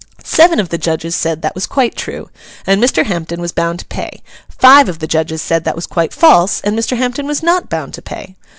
Seven of the judges said that was quite true, and Mr. Hampden was bound to pay: five of the judges said that was quite false, and Mr. Hampden was not bound to pay.